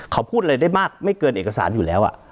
เขาพูดอะไรได้มากไม่เกินเอกสารอยู่แล้ว